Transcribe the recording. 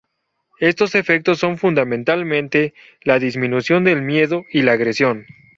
Estos efectos son fundamentalmente la disminución del miedo y la agresión.